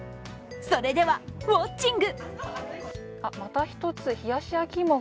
それでは、ウオッチング。